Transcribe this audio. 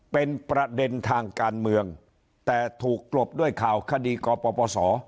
เป็นประเด็นทางการเมืองแต่ถูกกลบด้วยข่าวคดีกปศ